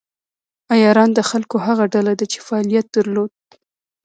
عیاران د خلکو هغه ډله ده چې فعالیت درلود.